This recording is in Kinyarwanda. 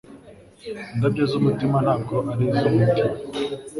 Indabyo z'umutima ntabwo ari iz'umutima